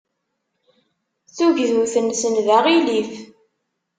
Tugdut-nsen d aɣilif.